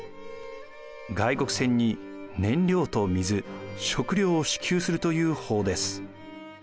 外国船に燃料と水・食料を支給するという法です。